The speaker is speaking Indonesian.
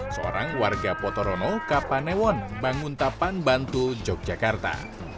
seorang warga potorono kapanewon banguntapan bantu yogyakarta